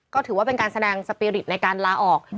ก็ถือว่าเป็นการแสดงสปีริตในการลาออก